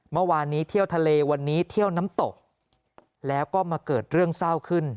เมื่อวานนี้เที่ยวทะเลวันนี้เที่ยวน้ำตกแล้วก็มาเกิดเรื่องเศร้าขึ้น